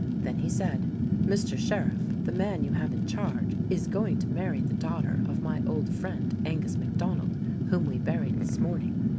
Then he said, "Mr. Sheriff, the man you have in charge is going to marry the daughter of my old friend Angus MacDonald whom we buried this morning.